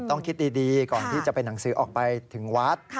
ต้องคิดดีก่อนที่จะเป็นหนังสือออกไปถึงวัด